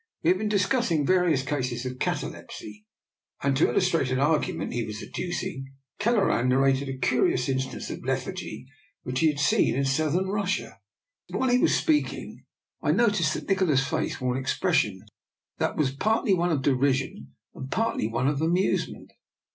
We had been discussing various cases of catalepsy; and to illustrate an argument he was adducing, Kelleran narrated a curious in stance of lethargy which he had seen in South DR, NIKOLA'S EXPERIMENT. 45 cm Russia. While he was speaking I noticed that Nikola's face wore an expression that was partly one of derision and partly of amusement.